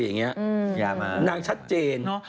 นางชัดเจน